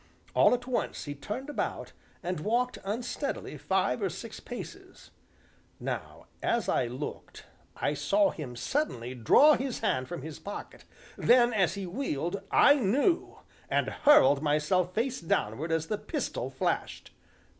All at once he turned about, and walked unsteadily five or six paces. Now, as I looked, I saw him suddenly draw his hand from his pocket, then, as he wheeled, I knew, and hurled myself face downward as the pistol flashed.